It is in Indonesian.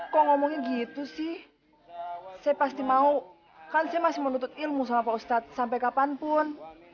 kok ngomongin gitu sih saya pasti mau kan saya masih menuntut ilmu sama pak ustadz sampai kapanpun